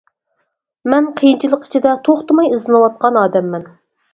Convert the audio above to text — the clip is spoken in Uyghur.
مەن قىيىنچىلىق ئىچىدە توختىماي ئىزدىنىۋاتقان ئادەممەن.